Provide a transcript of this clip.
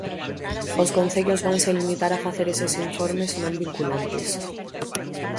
Os concellos vanse limitar a facer eses informes non vinculantes.